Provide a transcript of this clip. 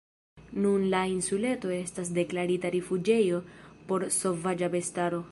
Nun la insuleto estas deklarita rifuĝejo por sovaĝa bestaro.